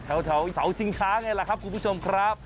แถวเสาชิงช้าไงล่ะครับคุณผู้ชมครับ